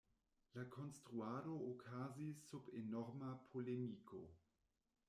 La konstruado okazis sub enorma polemiko.